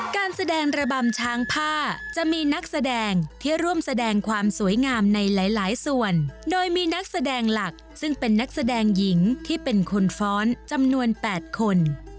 การแสดงระบำช้างผ้าจะมีนักแสดงที่ร่วมแสดงความสวยงามในหลายส่วนโดยมีนักแสดงหลักซึ่งเป็นนักแสดงหญิงที่เป็นคนฟ้อนจำนวน๘คน